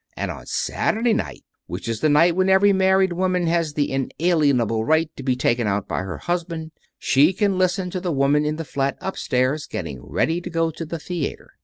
And on Saturday night, which is the night when every married woman has the inalienable right to be taken out by her husband, she can listen to the woman in the flat upstairs getting ready to go to the theater.